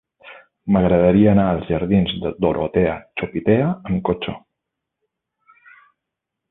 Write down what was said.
M'agradaria anar als jardins de Dorotea Chopitea amb cotxe.